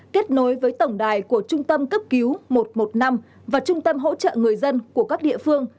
kết nối với tổng đài của trung tâm cấp cứu một trăm một mươi năm và trung tâm hỗ trợ người dân của các địa phương